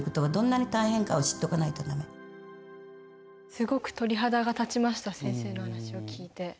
すごく鳥肌が立ちました先生の話を聞いて。